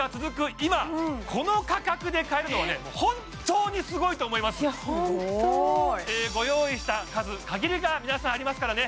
今この価格で買えるのは本当にすごいと思いますご用意した数限りが皆さんありますからね